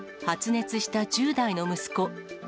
発熱した１０代の息子。